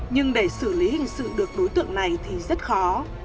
nhưng để xử lý hình sự được đối tượng này thì rất khó